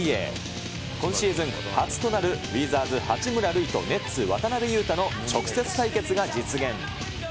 今シーズン初となるウィザーズ、八村塁とネッツ、渡邊雄太の直接対決が実現。